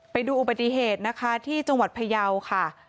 ไปดูอุปฏิเหตุที่จงหวัดพยาวค่ะ